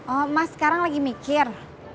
oh mas sekarang lagi mikir